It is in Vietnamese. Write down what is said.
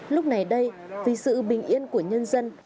lúc này đây vì sự bình yên của nhân dân